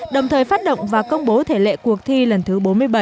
đồng thời phát động và công bố thể lệ cuộc thi lần thứ bốn mươi bảy